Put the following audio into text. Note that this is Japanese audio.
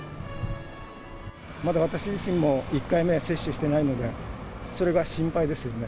まだ私自身も１回目接種してないので、それが心配ですよね。